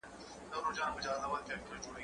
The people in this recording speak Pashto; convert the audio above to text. زه به سبا مېوې وچوم وم!؟